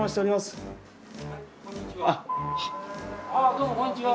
どうもこんにちは。